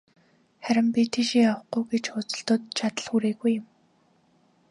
Харин би тийшээ явахгүй гэж хөөцөлдөөд, чадал хүрээгүй юм.